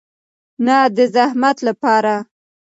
نه د زحمت لپاره.